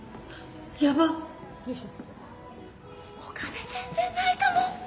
お金全然ないかも。